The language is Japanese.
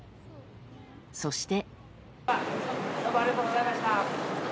そして。